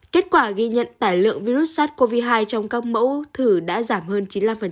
kết quả ghi nhận tải lượng virus sars cov hai trong các mẫu thử đã giảm hơn chín mươi năm